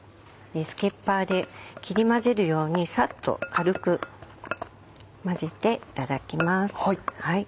スケッパーで切り混ぜるようにサッと軽く混ぜていただきます。